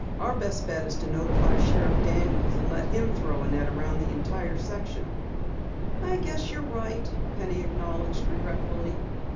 Our best bet is to notify Sheriff Daniels and let him throw a net around the entire section." "I guess you're right," Penny acknowledged regretfully.